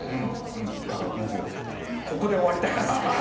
だからもうここで終わりたいです。